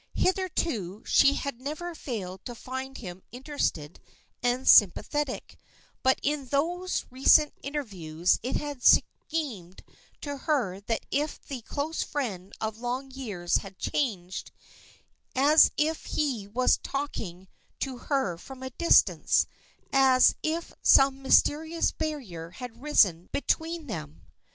Hitherto she had never failed to find him interested and sympathetic; but in those recent interviews it had seemed to her as if the close friend of long years had changed; as if he was talking to her from a distance; as if some mysterious barrier had arisen between them.